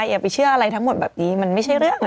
อย่าไปเชื่ออะไรทั้งหมดแบบนี้มันไม่ใช่เรื่องนะ